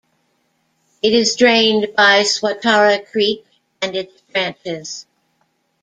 It is drained by Swatara Creek and its branches.